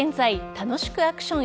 楽しくアクション！